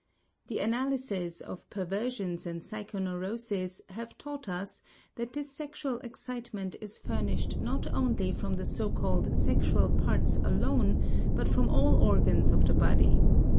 The analyses of perversions and psychoneuroses have taught us that this sexual excitement is furnished not only from the so called sexual parts alone but from all organs of the body.